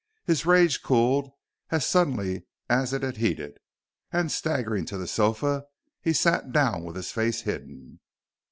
His rage cooled as suddenly as it had heated, and staggering to the sofa he sat down with his face hidden.